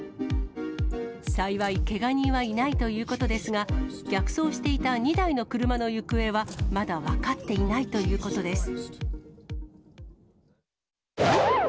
幸い、けが人はいないということですが、逆走していた２台の車の行方はまだ分かっていないということです。